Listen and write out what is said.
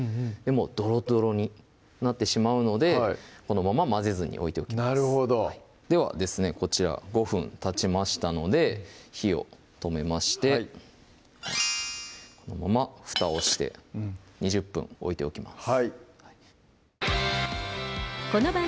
ドロドロになってしまうのでこのまま混ぜずに置いておきますなるほどではですねこちら５分たちましたので火を止めましてはいこのまま蓋をして２０分置いておきます